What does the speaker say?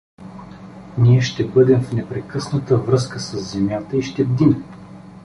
— Ние ще бъдем в непрекъсната връзка със Земята и ще бдим.